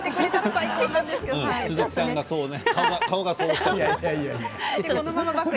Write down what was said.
鈴木さんの顔がそうおっしゃっている。